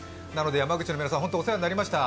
山口の皆さん、お世話になりました。